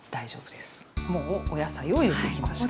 もうお野菜を入れていきましょう。